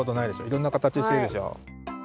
いろんな形してるでしょ。